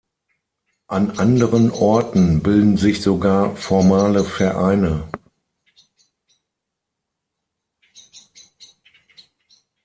An anderen Orten bilden sich sogar formale Vereine.